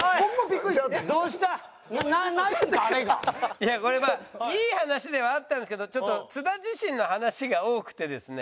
いやこれはいい話ではあったんですけどちょっと津田自身の話が多くてですね。